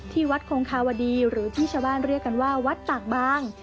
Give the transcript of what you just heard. ที่วัดคงคาวดีหรือที่ชาวบ้านเรียกกันว่าวัดตากบาง